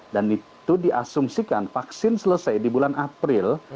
dan itu diasumsikan vaksin selesai di bulan april